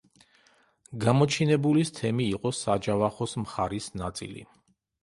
გამოჩინებულის თემი იყო საჯავახოს მხარის ნაწილი.